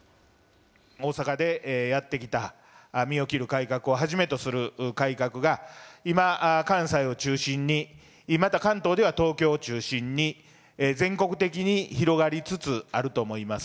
大阪でやってきた身を切る改革をはじめとする改革が、今、関西を中心に、また関東では東京を中心に、全国的に広がりつつあると思います。